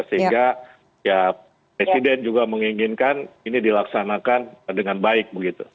sehingga ya presiden juga menginginkan ini dilaksanakan dengan baik begitu